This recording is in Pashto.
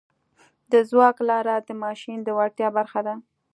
د ځواک لاره د ماشین د وړتیا برخه ده.